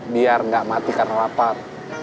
biar nggak mati karena lapar